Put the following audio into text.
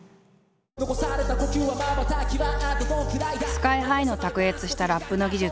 ＳＫＹ−ＨＩの卓越したラップの技術